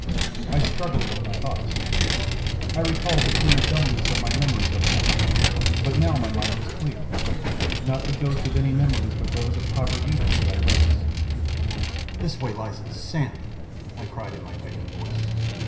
I struggled with my thoughts. I recalled the queer doubleness of my memories overnight. But now my mind was clear. Not the ghost of any memories but those proper to Eden could I raise. " This way lies insanity !" I cried in my piping voice.